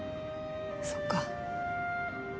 そっか。